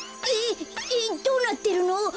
えっどうなってるの？